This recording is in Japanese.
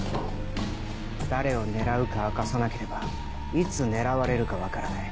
誰を狙うか明かさなければいつ狙われるか分からない。